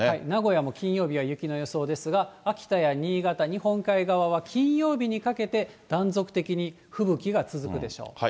名古屋も金曜日は雪の予想ですが、秋田や新潟、日本海側は金曜日にかけて断続的に吹雪が続くでしょう。